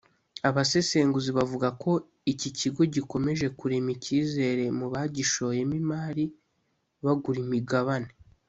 Abasesenguzi bavuga ko iki kigo gikomeje kurema icyizere mu bagishoyemo imari bagura imigabane